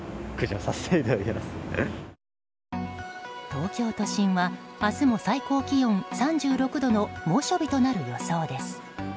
東京都心は明日も最高気温３６度の猛暑日となる予想です。